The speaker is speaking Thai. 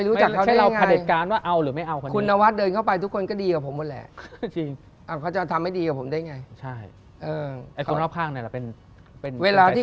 เราจะไปรู้จักเขาได้ยังไง